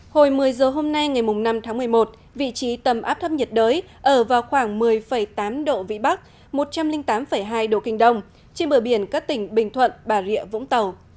hồi một mươi giờ hôm nay ngày năm tháng một mươi một vị trí tầm áp thấp nhiệt đới ở vào khoảng một mươi tám độ vĩ bắc một trăm linh tám hai độ kinh đông trên bờ biển các tỉnh bình thuận bà rịa vũng tàu